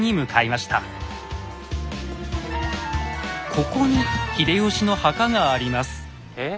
ここに秀吉の墓があります。